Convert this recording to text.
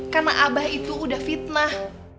karena abah itu udah fitnah